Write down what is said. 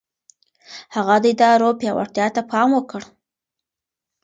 هغه د ادارو پياوړتيا ته پام وکړ.